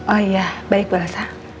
oh iya baik bu rasa